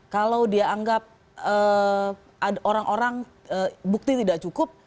kalau dia anggap orang orang bukti tidak cukup